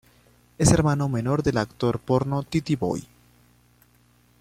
Es hermano menor del actor porno T. T. Boy.